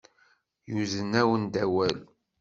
Yuzen-awen-d awal.